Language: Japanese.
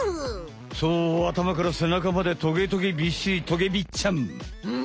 そうあたまからせなかまでトゲトゲびっしりトゲびっちゃん。